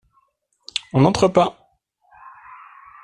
On n’entre pas !…